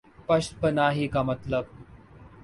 پشت پناہی کامطلب ہے۔